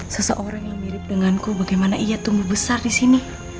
seseorang yang mirip denganku bagaimana ia tumbuh besar disini